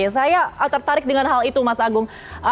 saya tertarik dengan hal itu mas agung